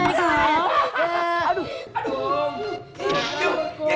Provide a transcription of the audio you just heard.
mau lari kemana ya